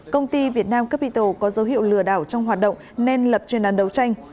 công ty việt nam capito có dấu hiệu lừa đảo trong hoạt động nên lập truyền đoàn đấu tranh